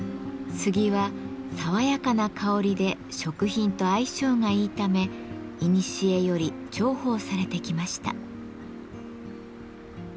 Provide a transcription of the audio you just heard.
杉は爽やかな香りで食品と相性がいいためいにしえより重宝されてきました。